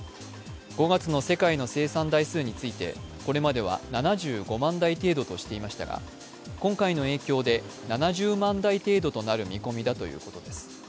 ５月の世界の生産台数についてこれまでは７５万台程度としていましたが、今回の影響で７０万台程度となる見込みだということです。